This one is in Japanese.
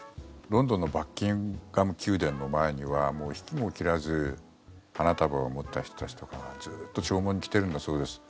ロンドンのバッキンガム宮殿の前には引きも切らず花束を持った人たちとかがずっと弔問に来ているんだそうです。